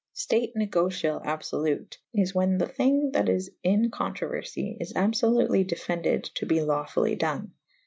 State negociall abfblute is whan the thynge that is in controuerfy is abfolutely defended to be laufully done.